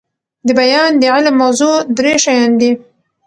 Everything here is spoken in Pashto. دبیان د علم موضوع درې شيان دي.